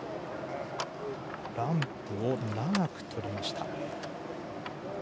ランプを長くとりました。